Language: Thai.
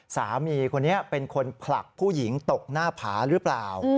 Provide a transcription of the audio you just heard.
สามีคนนี้เป็นคนผลักผู้หญิงตกหน้าผาหรือเปล่า